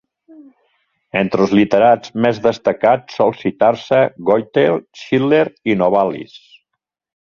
Entre els literats més destacats sol citar-se Goethe, Schiller, Novalis.